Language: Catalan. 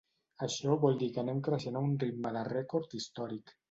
Això vol dir que anem creixent a un ritme de rècord històric.